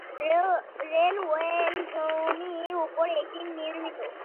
রেলওয়ের জমির উপর এটি নির্মিত।